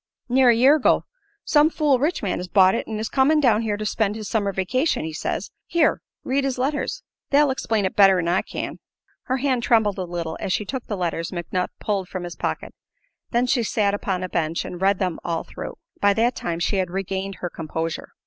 "Near a year ago. Some fool rich man has bought it and is comin' down here to spend his summer vacation, he says. Here, read his letters. They'll explain it better 'n I can." Her hand trembled a little as she took the letters McNutt pulled from his pocket. Then she sat upon a bench and read them all through. By that time she had regained her composure.